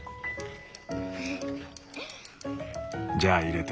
じゃあ入れて。